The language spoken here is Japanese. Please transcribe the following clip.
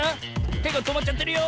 てがとまっちゃってるよ。